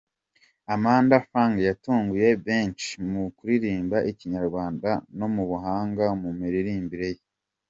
Amanda Fung yatunguye benshi mu kuririmba ikinyarwanda no mu buhanga mu miririmbire ye.